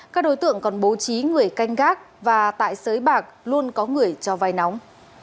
các đối tượng còn bố trí người canh gác và tại sới bạc luôn có người cho vai nóng